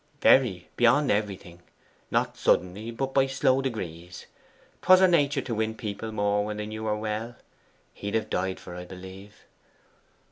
'VERY, beyond everything. Not suddenly, but by slow degrees. 'Twas her nature to win people more when they knew her well. He'd have died for her, I believe.